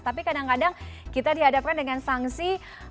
tapi kadang kadang kita dihadapkan dengan sanksi